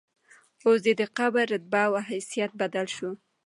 اوس ددې قبر رتبه او حیثیت بدل شو.